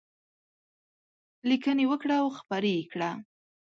لیکنې وکړه او خپرې یې کړه.